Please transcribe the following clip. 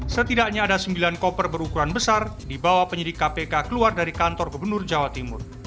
setidaknya ada sembilan koper berukuran besar dibawa penyidik kpk keluar dari kantor gubernur jawa timur